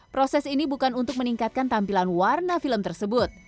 proses ini bukan untuk meningkatkan tampilan warna film tersebut